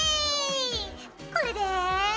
これで。